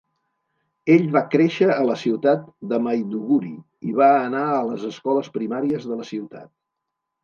Ell va créixer a la ciutat de Maiduguri i va anar a les escoles primàries de la ciutat.